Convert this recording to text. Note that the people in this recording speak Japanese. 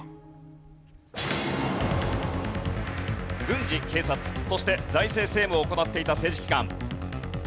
軍事・警察そして財政・政務を行っていた政治機関。